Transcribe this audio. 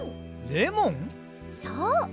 そう。